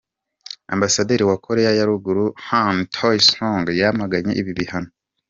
Ambasaderi wa Koreya ya ruguru Han Tae Song yamaganye ibi bihano.